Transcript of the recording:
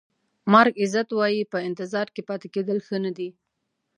مارک ایزت وایي په انتظار کې پاتې کېدل ښه نه دي.